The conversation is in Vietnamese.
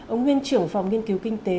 ông nguyên trưởng phòng nghiên cứu kinh tế